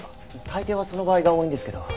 大抵はその場合が多いんですけど。